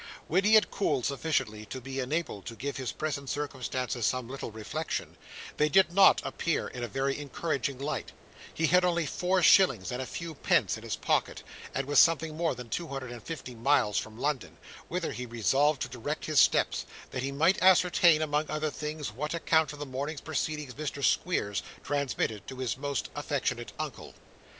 When he had cooled sufficiently to be enabled to give his present circumstances some little reflection, they did not appear in a very encouraging light; he had only four shillings and a few pence in his pocket, and was something more than two hundred and fifty miles from London, whither he resolved to direct his steps, that he might ascertain, among other things, what account of the morning's proceedings Mr. Squeers transmitted to his most affectionate uncle.